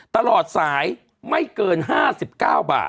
ตลอดสายไม่เกิน๕๙บาท